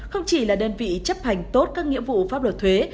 không chỉ là đơn vị chấp hành tốt các nghĩa vụ pháp luật thuế